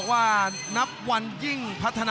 คมทุกลูกจริงครับโอ้โห